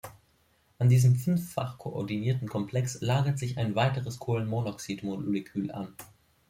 An diesen fünffach-koordinierten Komplex lagert sich ein weiteres Kohlenmonoxid-Molekül an.